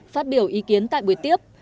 phát biểu ý kiến tại buổi tiếp